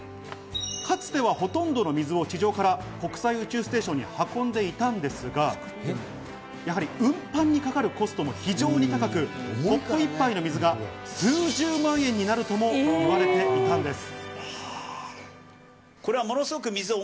かつてはほとんどの水を地上から国際宇宙ステーションに運んでいたんですが、やはり運搬にかかるコストも非常に高く、コップ１杯の水が数十万円になるとも言われていたんです。